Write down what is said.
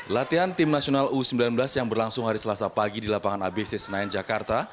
latihan tim nasional u sembilan belas yang berlangsung hari selasa pagi di lapangan abc senayan jakarta